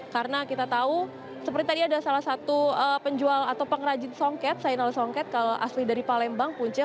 karena kita tahu seperti tadi ada salah satu penjual atau pengrajin songket sainal songket asli dari palembang punce